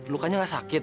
lukanya gak sakit